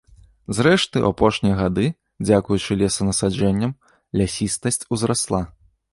Зрэшты, у апошнія гады, дзякуючы лесанасаджэнням, лясістасць узрасла.